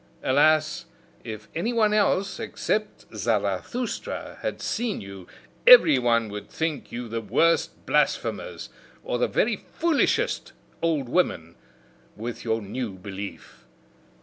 "Alas, if any one else, except Zarathustra, had seen you: Every one would think you the worst blasphemers, or the very foolishest old women, with your new belief!